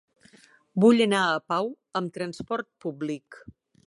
Vull anar a Pau amb trasport públic.